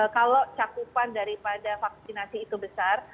kalau cakupan daripada vaksinasi itu besar